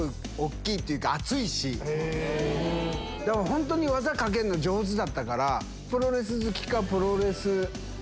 本当に技かけんの上手だったから。